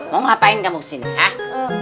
mau ngapain kamu sini ah